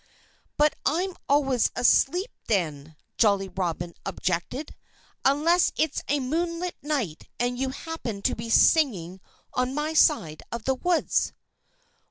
"But I'm always asleep then," Jolly Robin objected, "unless it's a moonlight night and you happen to be singing on my side of the woods."